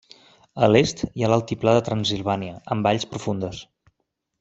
A l'est hi ha l'altiplà de Transsilvània amb valls profundes.